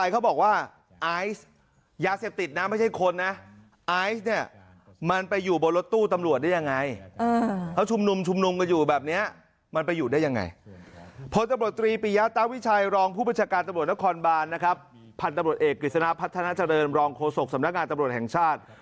เขาชุมนุมก็อยู่แบบนี้มันไปอยู่ได้ยังไง